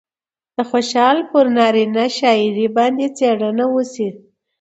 د خوشال پر نارينه شاعرۍ باندې څېړنه وشي